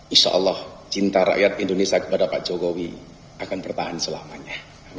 insya allah cinta rakyat indonesia kepada pak jokowi akan bertahan selamanya